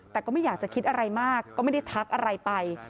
แต่ก็ไม่อยากจะคิดอะไรมากก็ไม่ได้ทักอะไรไป